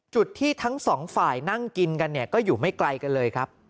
จุดที่ทั้งสองฝ่ายนั่งกินกันเนี่ยก็อยู่ไม่ไกลกันเลยครับ